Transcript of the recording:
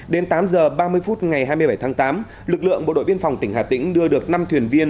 đến tám h ba mươi phút ngày hai mươi bảy tháng tám lực lượng bộ đội biên phòng tỉnh hà tĩnh đưa được năm thuyền viên